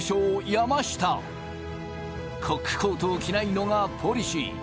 山下コックコートを着ないのがポリシー